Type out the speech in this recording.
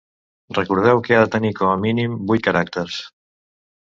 Recordeu que ha de tenir, com a mínim, vuit caràcters.